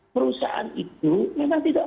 perusahaan itu memang tidak